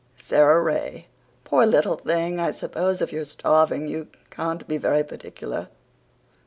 SARA RAY: "Poor little thing, I suppose if you're starving you can't be very particular."